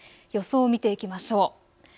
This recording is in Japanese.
予想を見ていきましょう。